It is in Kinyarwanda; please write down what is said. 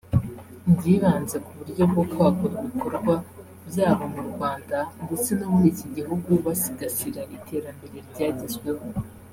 byibanze ku buryo bwo kwagura ibikorwa byabo mu Rwanda ndetse no muri iki gihugu basigasira iterambere ryagezweho